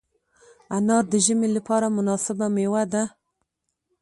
انار د ژمي لپاره مناسبه مېوه ده.